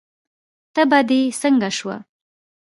تبه دې څنګه شوه؟